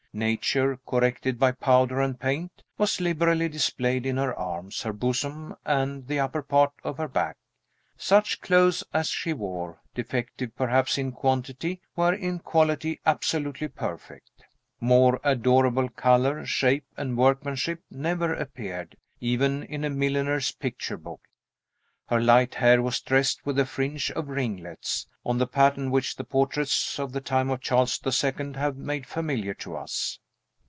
Nature, corrected by powder and paint, was liberally displayed in her arms, her bosom, and the upper part of her back. Such clothes as she wore, defective perhaps in quantity, were in quality absolutely perfect. More adorable color, shape, and workmanship never appeared, even in a milliner's picture book. Her light hair was dressed with a fringe and ringlets, on the pattern which the portraits of the time of Charles the Second have made familiar to us.